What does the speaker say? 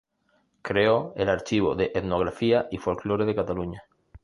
Creó el Archivo de Etnografía y Folklore de Cataluña.